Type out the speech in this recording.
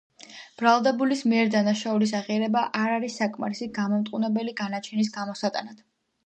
ბრალდებულის მიერ დანაშაულის აღიარება არ არის საკმარისი გამამტყუნებელი განაჩენის გამოსატანად.